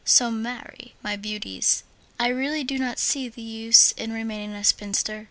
So, marry, my beauties. I really do not see the use in remaining a spinster!